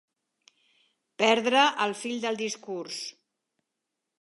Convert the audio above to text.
Perdre el fil del discurs.